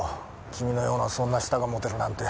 君のようなそんな舌が持てるなんて。